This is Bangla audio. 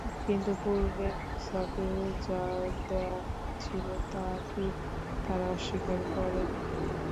কিন্তু পূর্বে মূসাকে যা দেয়া হয়েছিল তা কি তারা অস্বীকার করেনি?